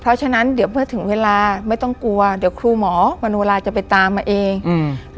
เพราะฉะนั้นเดี๋ยวเมื่อถึงเวลาไม่ต้องกลัวเดี๋ยวครูหมอมโนลาจะไปตามมาเองอืม